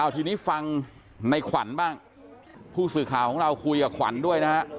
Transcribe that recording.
ทีนี้ฟังในขวัญบ้างผู้สื่อข่าวของเราคุยกับขวัญด้วยนะฮะ